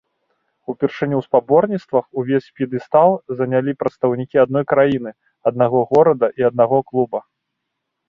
Упершыню ў спаборніцтвах увесь п'едэстал занялі прадстаўнікі адной краіны, аднаго горада і аднаго клуба.